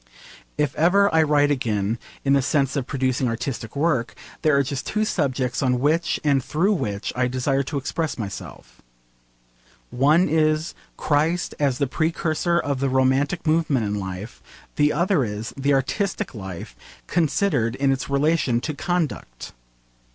If ever I write again, in the sense of producing artistic work, there are just two subjects on which and through which I desire to express myself: one is 'Christ as the precursor of the romantic movement in life': the other is 'The artistic life considered in its relation to conduct.'